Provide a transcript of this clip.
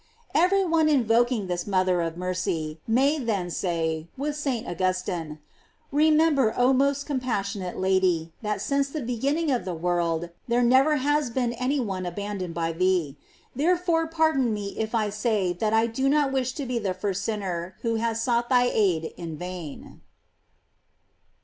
* Every one invoking this mother of mercy may then say, with St. Augustine: "Remember, oh most compassionate Lady! that since the begin ning of the world there never has been any one abandoned by thee. Therefore pardon me if I say that I do not wish to be the first sinner who has sought thy aid in vain."